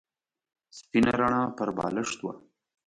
سپینه رڼا پر بالښت وه.